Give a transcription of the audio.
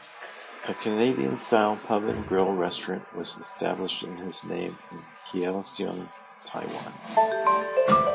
A Canadian-style pub and grill restaurant was established in his name in Kaohsiung, Taiwan.